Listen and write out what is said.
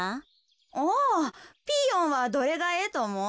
ああピーヨンはどれがええとおもう？